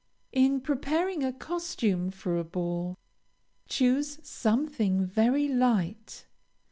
In preparing a costume for a ball, choose something very light.